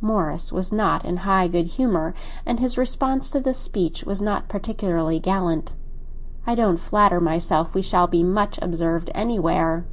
Morris was not in high good humour, and his response to this speech was not particularly gallant. "I don't flatter myself we shall be much observed anywhere."